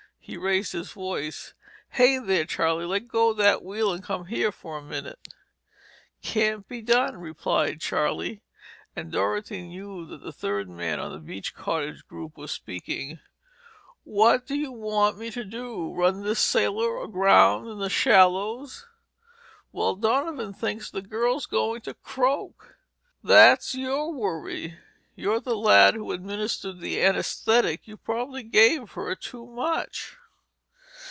He raised his voice. "Hey, there, Charlie! Leave go that wheel and come here for a minute." "Can't be done," replied Charlie, and Dorothy knew that the third man on the beach cottage group was speaking. "What do you want me to do—run this sailor aground in the shallows?" "Well, Donovan thinks the girl's goin' to croak." "That's your worry. You're the lad who administered the anesthetic. You probably gave her too much."